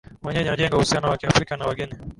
mwenyeji anajenga uhusiano wa kirafiki na wageni